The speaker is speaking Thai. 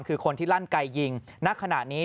คือคนที่ลั่นไกยิงณขณะนี้